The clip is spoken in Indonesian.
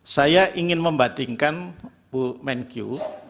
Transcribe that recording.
saya ingin membandingkan bu menkyu